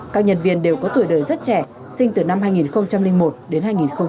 các nhân viên đều có tuổi đời rất trẻ sinh từ năm hai nghìn một đến hai nghìn bốn